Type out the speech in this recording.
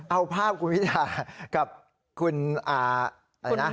เอาภาพคุณวิทยากับคุณอ่าอะไรนะ